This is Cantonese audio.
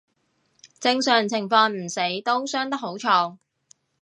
正常情況唔死都傷得好重